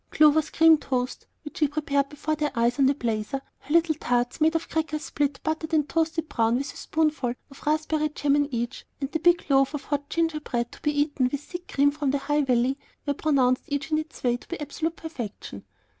Clover's cream toast, which she prepared before their eyes on the blazer, her little tarts made of crackers split, buttered, and toasted brown with a spoonful of raspberry jam in each, and the big loaf of hot ginger bread to be eaten with thick cream from the High Valley, were pronounced each in its way to be absolute perfection.